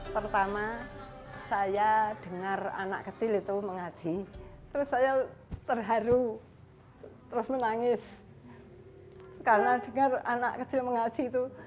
pertama saya dengar anak kecil itu mengaji terus saya terharu terus menangis karena dengar anak kecil mengaji itu